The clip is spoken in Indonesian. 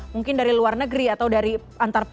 mungkin dari luar negeri atau dari antar pulau